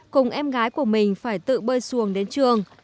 cùng em gái của mình phải tự bơi xuồng đến trường